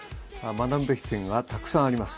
学ぶべき点がたくさんあります。